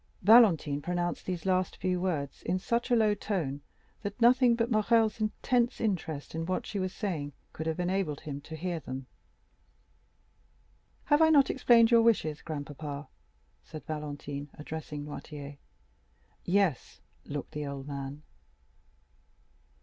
Valentine pronounced these last few words in such a low tone, that nothing but Morrel's intense interest in what she was saying could have enabled him to hear them. "Have I not explained your wishes, grandpapa?" said Valentine, addressing Noirtier. "Yes," looked the old man.